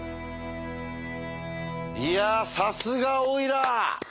いやさすがオイラー。